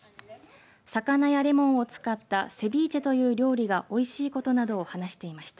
魚やれもんを使ったセビーチェという料理がおいしいことなどを話していました。